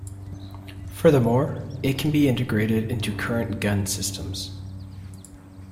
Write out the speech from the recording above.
Furthermore, it can be integrated into current gun systems.